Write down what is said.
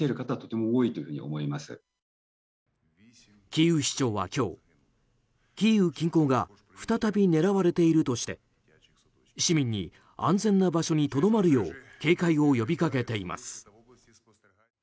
キーウ市長は今日キーウ近郊が再び狙われているとして市民に安全な場所にとどまるよう警戒を呼びかけています。